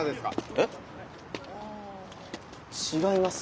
えっあ違います。